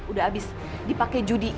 udah abis dipake judi